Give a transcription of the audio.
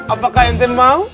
apakah ente mau